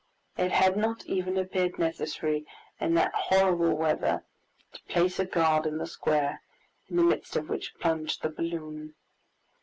It had not even appeared necessary in that horrible weather to place a guard in the square, in the midst of which plunged the balloon.